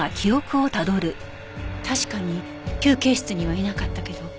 確かに休憩室にはいなかったけど。